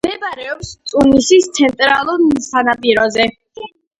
მდებარეობს ტუნისის ცენტრალურ სანაპიროზე.